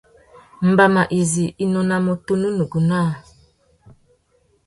Mbama izí i nônamú tunu nuguá naā.